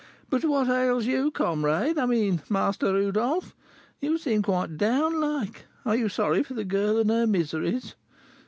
"But what ails you, comrade I mean, Master Rodolph? You seem quite down like; are you sorry for the girl and her miseries?